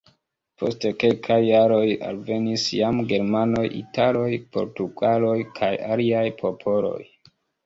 Post kelkaj jaroj alvenis jam germanoj, italoj, portugaloj kaj aliaj popoloj.